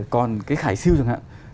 còn cái khải siêu chẳng hạn